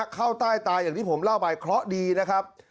เข้าใต้ตาอย่างที่ผมเล่าไปเคราะห์ดีนะครับ